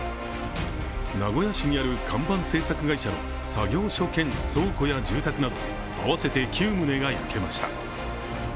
名古屋市にある看板政策会社の作業所兼倉庫や住宅など合わせて９棟が焼けました。